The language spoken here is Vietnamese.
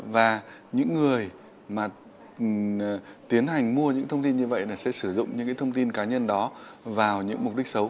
và những người mà tiến hành mua những thông tin như vậy là sẽ sử dụng những thông tin cá nhân đó vào những mục đích xấu